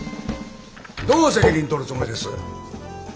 どう責任とるつもりです？